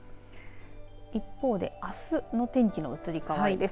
一方であすの天気の移り変わりです。